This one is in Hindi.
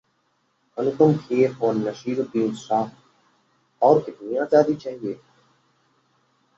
Anupam Kher on Naseeruddin Shah: 'और कितनी आजादी चाहिए?'